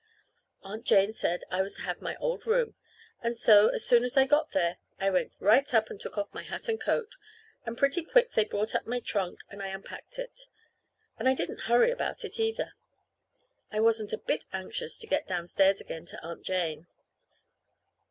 Aunt Jane said I was to have my old room, and so, as soon as I got here, I went right up and took off my hat and coat, and pretty quick they brought up my trunk, and I unpacked it; and I didn't hurry about it either. I wasn't a bit anxious to get downstairs again to Aunt Jane.